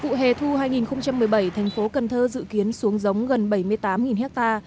vụ hè thu hai nghìn một mươi bảy thành phố cần thơ dự kiến xuống giống gần bảy mươi tám ha